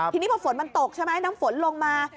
ทีนี้พอฝนมันตกน้ำฟ้นลงมา